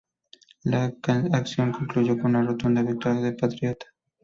La acción concluyó con una rotunda victoria patriota.